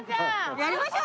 やりましょう！